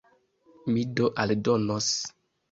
Mi do aldonos.